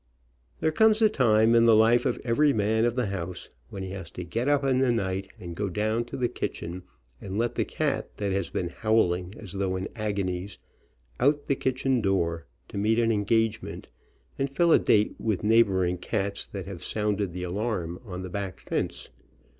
There comes a time in the life of every man of the house when he has to get up in the night and go down to the kitchen and let the cat, that has been howling as though in agonies, out the kitchen door, to meet an engagement and fill a date with neighboring cats that have sounded the alarm on the back fence.